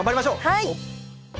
はい！